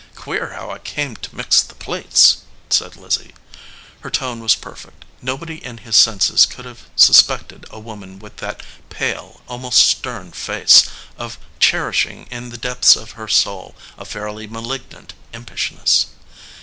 "Queer how I came to mix the plates," said Liz zie. Her tone was perfect. Nobody in his senses could have suspected a woman with that pale, al most stern, face of cherishing in the depths of her soul a fairly malignant impishness.